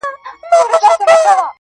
ه چیري یې؟ د کومو غرونو باد دي وهي؟